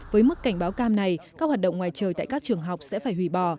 với mức cảnh báo cam này các hoạt động ngoài trời tại các trường học sẽ phải hủy bỏ